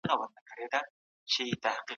رومي وو نه بلخي... د جنون له ښاره راپورته سو، نه